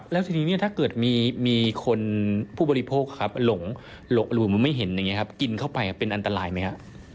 แล้วถ้าเกิดมีคนผู้บริโภคหลงหรือไม่เห็นกินเข้าไปเป็นอันตรายไหมครับ